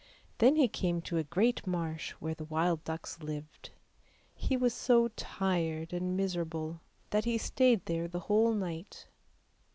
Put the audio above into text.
Then he came to a great marsh where the wild ducks lived; he was so tired and miserable that he stayed there the whole night.